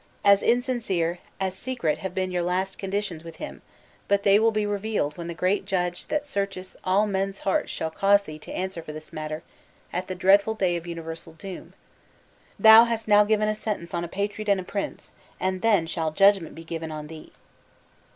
As insincere, as secret, have been your last conditions with him, but they will be revealed when the great Judge that searcheth all men's hearts shall cause thee to answer for this matter at the dreadful day of universal doom. Thou has now given sentence on a patriot and a prince, and then shall judgment be given on thee!"